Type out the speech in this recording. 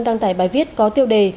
đăng tải bài viết có tiêu đề